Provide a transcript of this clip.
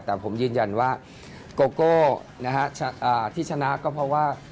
แต่ผมยืนยันว่าโกโก้ที่ชนะก็เพราะว่า